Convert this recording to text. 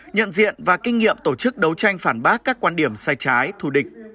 nhận diện và kinh nghiệm tổ chức đấu tranh phản bác các quan điểm sai trái thù địch